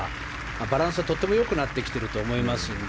バランスが、とても良くなってきていると思います。